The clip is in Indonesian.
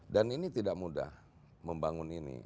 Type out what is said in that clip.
dan ini tidak mudah membangun ini